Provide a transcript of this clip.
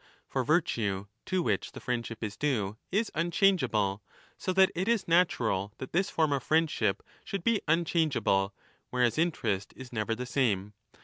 For virtue, to which the friendship is due, is unchangeable, so that it is natural that this form of friendship should be unchangeable, whereas interest is never the same.